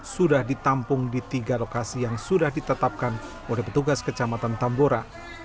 sudah ditampung di tiga lokasi yang sudah ditetapkan oleh petugas kecamatan tambora